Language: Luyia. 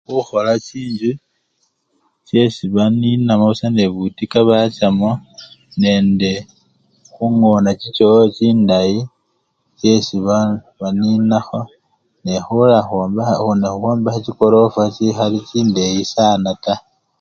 Khukhola chinjju chesi baninamo busa nende butiko bachamo nende khungona chichowo chindayi chesi ba! baninakho nekhula khwombekha! nekhukhwombekha chikorofwa chikhali chindeyi sana taa.